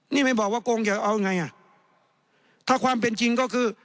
นี่ไม่บอกว่าโกงจะเอายังไงอ่ะถ้าความเป็นจริงก็คือ